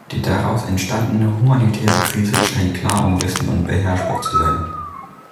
Die daraus entstandene humanitäre Krise scheint klar umrissen und beherrschbar zu sein.